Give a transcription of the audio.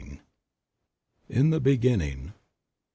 IN THE BEGINNING.